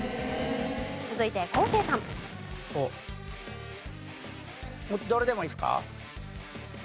続いて昴生さん。どれでもいいですか？